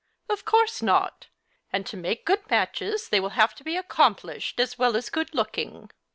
" Of course not ; and to make good matches they will have to be accomplished as well as good looking.